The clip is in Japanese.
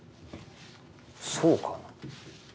そうかな？